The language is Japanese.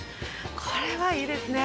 これはいいですね。